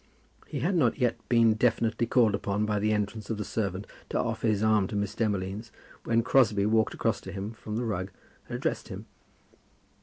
He had not yet been definitely called upon by the entrance of the servant to offer his arm to Miss Demolines, when Crosbie walked across to him from the rug and addressed him.